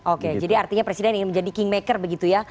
oke jadi artinya presiden ingin menjadi kingmaker begitu ya